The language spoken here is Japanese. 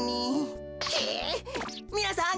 みなさん